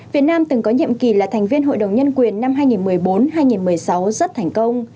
việt nam từng có nhiệm kỳ là thành viên hội đồng nhân quyền năm hai nghìn một mươi bốn hai nghìn một mươi sáu rất thành công